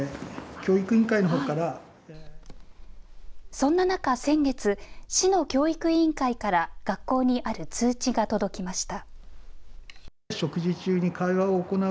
そんな中、先月、市の教育委員会から、学校にある通知が届きました。